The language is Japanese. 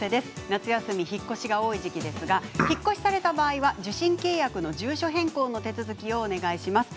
夏休みは引っ越しが多い時期ですがお引っ越しされた場合は受信契約の住所変更の手続きをよろしくお願いいたします。